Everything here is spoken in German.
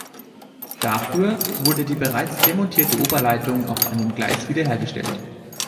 Dafür wurde die bereits demontierte Oberleitung auf einem Gleis wiederhergestellt.